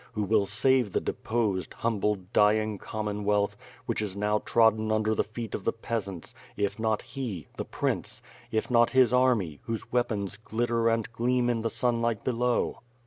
Who will save the deposed, humbled, dying Commonwealth, which is now trodden under the feet of the peasants, if not he — the prince; if not his army, whose weapons glitter and gleam in the sunlight be low?